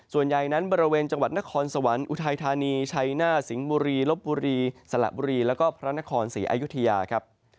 ส่วนใหญ่นั้นบริเวณจังหวัดนครสวรรค์อุทัยธานีชัยหน้าสิงห์บุรีลบบุรีสละบุรีแล้วก็พระนครศรีอายุทยาครับ